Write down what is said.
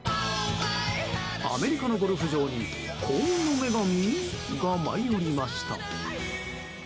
アメリカのゴルフ場に幸運の女神？が舞い降りました。